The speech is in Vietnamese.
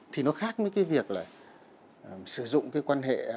thì nó khác với cái việc là sử dụng cái quan hệ